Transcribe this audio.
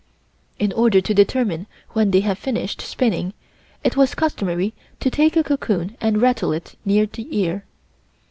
In order to determine when they have finished spinning it was customary to take the cocoon and rattle it near the ear.